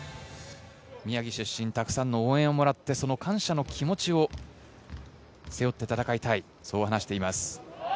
宮城出身、たくさんの応援をもらってその感謝の気持ちを背負って戦いたい、そう話しています。